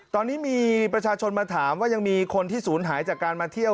ตอนนี้มีประชาชนมาถามว่ายังมีคนที่ศูนย์หายจากการมาเที่ยว